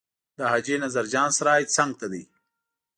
د حاجي نظر جان سرای څنګ ته دی.